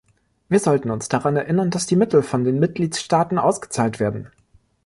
Wir sollten uns daran erinnern, dass die Mittel von den Mitgliedstaaten ausgezahlt werden.